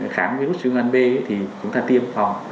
khám virus sư gan b thì chúng ta tiêm phòng